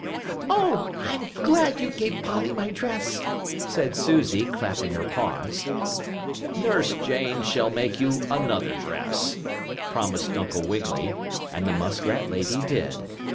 "Oh, I'm glad you gave Polly my dress!" said Susie, clapping her paws. "Nurse Jane shall make you another dress," promised Uncle Wiggily, and the muskrat lady did.